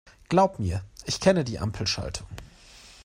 Glaub mir, ich kenne die Ampelschaltung.